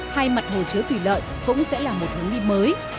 hay mặt hồ chứa tùy lợi cũng sẽ là một hướng đi mới